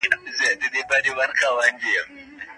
تاسو باید د خپلو استادانو درناوی وکړئ.